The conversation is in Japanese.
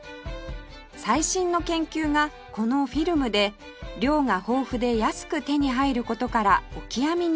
最新の研究がこのフィルムで量が豊富で安く手に入る事からオキアミに注目